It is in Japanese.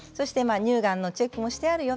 乳がんのチェックもしてあるよ